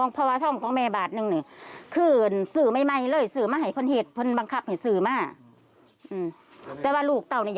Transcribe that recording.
ภารกิจใส่เรือมละ